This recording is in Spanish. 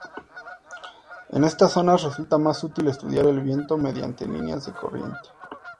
En estas zonas resulta más útil estudiar el viento mediante líneas de corriente.